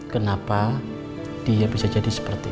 kenapa dia bisa jadi seperti